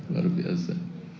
wah luar biasa